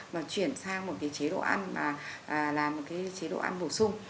mà chuyển sang một cái chế độ ăn mà làm một cái chế độ ăn bổ sung